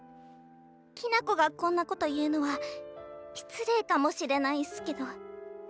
きな子がこんなこと言うのは失礼かもしれないっすけど。